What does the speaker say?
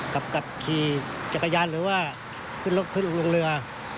กลับคีย์จักรยานหรือว่าขึ้นรถขึ้นลงเรือ